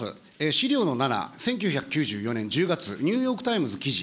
資料の７、１９９４年１０月、ニューヨークタイムズ記事。